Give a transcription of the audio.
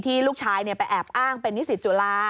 ที่ลูกชายเนี่ยไปแอบอ้างเป็นนิสิตจุฬา